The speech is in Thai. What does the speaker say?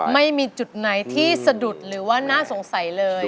ไม่มีจุดไหนที่สะดุดหรือว่าน่าสงสัยเลย